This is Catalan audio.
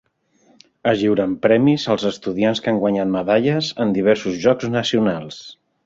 Es lliuren premis als estudiants que han guanyat medalles en diversos jocs nacionals.